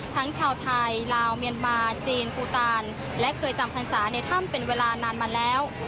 ทั้งชาวไทยลาวเมียนมาจีนภูตานและเคยจำพรรษาในถ้ำเป็นเวลานานมาแล้ว